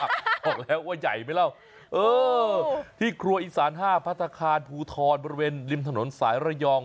บอกแล้วว่าใหญ่ไหมเล่าเออที่ครัวอีสานห้าพัฒนาคารภูทรบริเวณริมถนนสายระยอง